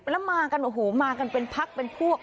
แล้วมากันโอ้โหมากันเป็นพักเป็นพวก